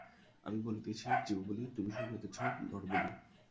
আমি বলিতেছি জীববলি, তুমি শুনিতেছ নরবলি।